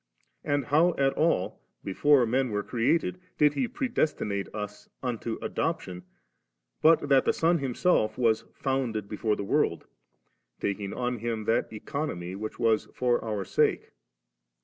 and how at all, before men were cre ated, did He predestinate us unto adoption, but that the Son Himself was * founded before the world,' taking on Him that economy which was for our sake?